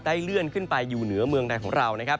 เลื่อนขึ้นไปอยู่เหนือเมืองใดของเรานะครับ